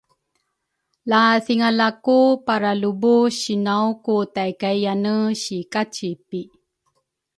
La thingala ku paralubu sinaw ku takayyane si kacipi